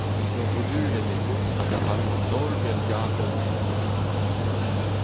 Ur vodulenn e vo hag a c'hallo an holl pellgargañ evit netra.